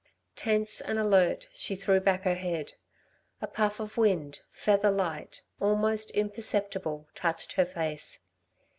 Tense and alert, she threw back her head. A puff of wind, feather light, almost imperceptible, touched her face.